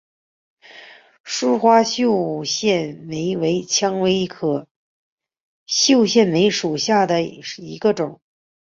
疏花绣线梅为蔷薇科绣线梅属下的一个种。